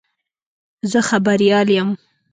زه خبریال یم.